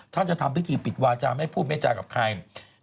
ท่านจะทำพิธีปิดวาจาไม่พูดไม่จากับใคร